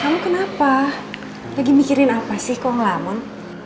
kamu kenapa lagi mikirin apa sih kok ngelamun